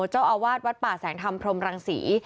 เจ้าอาวาสวัดป่าแสงธรรมพรมรังศรี